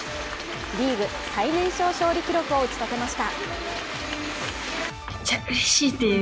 リーグ最年少勝利記録を打ち立てました。